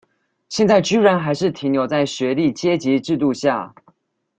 現在居然還是停留在學歷階級制度下？